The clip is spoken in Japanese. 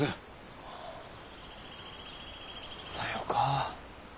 さよか。